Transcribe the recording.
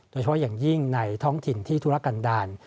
โดยเฉพาะอย่างยิ่งในท้องถิ่นที่ธุรกันดาล